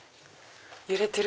揺れてる。